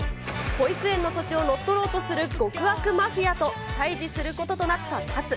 保育園の土地を乗っ取ろうとする極悪マフィアと対じすることとなった龍。